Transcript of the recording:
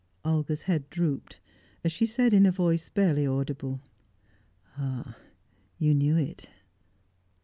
Olga's head drooped, as she said in a voice barely audible: "Ah, you knew it."